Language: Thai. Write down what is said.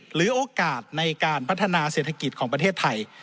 หรือโอกาสในการพัฒนาเศรษฐกิจของประเทศไทย